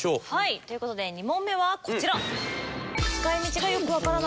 という事で２問目はこちら。